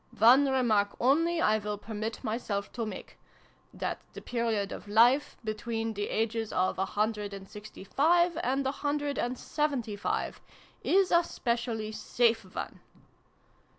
One remark only I will permit myself to make that the period of life, between the ages of a hundred and sixty five and a hundred and seventy five, is a specially safe one."